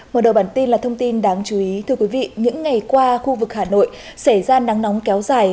mở đầu bản tin là thông tin đáng chú ý thưa quý vị những ngày qua khu vực hà nội xảy ra nắng nóng kéo dài